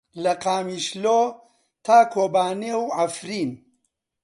لە قامیشلۆ تا کۆبانێ و عەفرین.